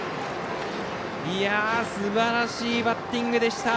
すばらしいバッティングでした。